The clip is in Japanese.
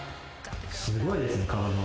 すごいですね、体。